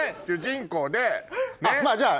まぁじゃあ。